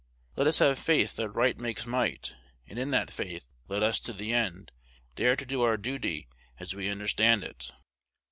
Let us have faith that right makes might; and in that faith, let us, to the end, dare to do our duty as we understand it.